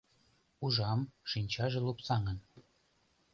Ужам: шинчаже лупсаҥын.